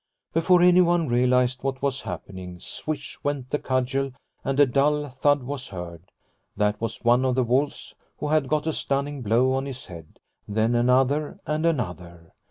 Before anyone realised what was happening, swish went the cudgel, and a dull thud was heard. That was one of the wolves who had got a stunning blow on his head, then another and another.